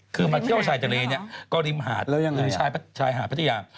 คือมาเที่ยวชายทะเลเนี่ยก็ริมหาดแล้วยังไงชายหาดพัทยา